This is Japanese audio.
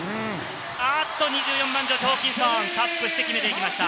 ２４番ジョシュ・ホーキンソン、タップして決めていきました。